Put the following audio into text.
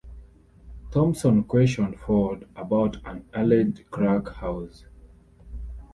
Thompson questioned Ford about an alleged crack house.